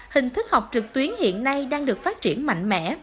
hình thức học trực tuyến hiện nay đang được phát triển mạnh mẽ